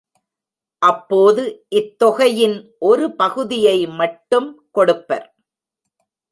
அப்போது இத் தொகையின் ஒரு பகுதியை மட்டும் கொடுப்பர்.